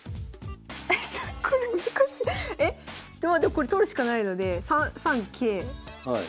これ取るしかないので３三桂。